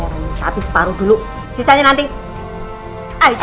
ibu tahu sendiri empat orang anak bu aku tidak ada apa apanya bu rosmina